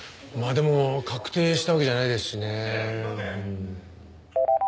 まあでも確定したわけじゃないですしね。